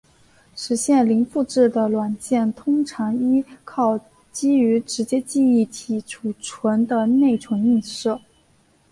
实现零复制的软件通常依靠基于直接记忆体存取的内存映射。